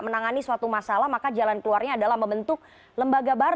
menangani suatu masalah maka jalan keluarnya adalah membentuk lembaga baru